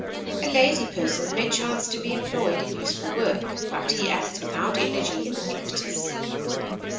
A lazy person may chance to be employed in useful work, but he acts without energy or impetus.